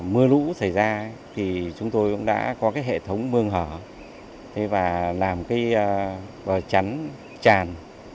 mưa lũ xảy ra thì chúng tôi cũng đã có cái hệ thống mương hở và làm bờ chắn tràn